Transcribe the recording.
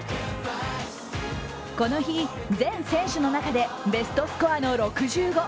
この日、全選手の中でベストスコアの６５。